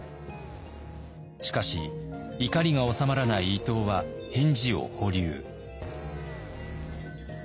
しかし怒りが収まらない伊藤は返事を保留。